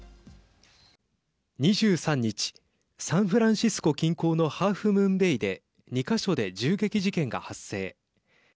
２３日サンフランシスコ近郊のハーフムーンベイで２か所で銃撃事件が発生。